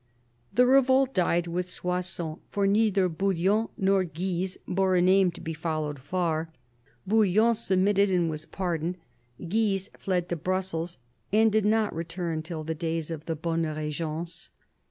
The revolt died with Soissons, for neither Bouillon nor Guise bore a name to be followed far. Bouillon submitted and was pardoned ; Guise fled to Brussels, and did not return till the days of the " bonne Regence."